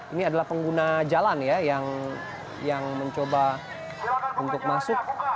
ini adalah pengguna jalan ya yang mencoba untuk masuk